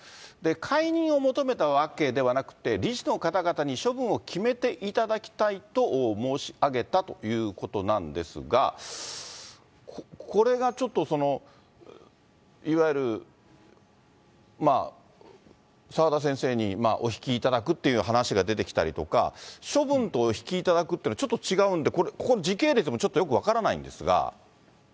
解任を求めたわけではなくって、理事の方々に処分を決めていただきたいと申し上げたということなんですが、これがちょっと、いわゆる澤田先生にお引きいただくという話が出てきたりとか、処分とおひきいただくっていうのちょっと違うんで、これ、ここ、時系列もちょっとよく分からないんですが。